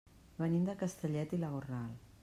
Venim de Castellet i la Gornal.